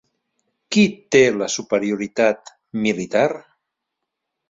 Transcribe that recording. Qui té la superioritat militar?